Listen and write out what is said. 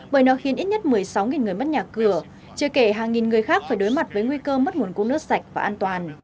bởi nó khiến ít nhất một mươi sáu người mất nhà cửa chưa kể hàng nghìn người khác phải đối mặt với nguy cơ mất nguồn cung nước sạch và an toàn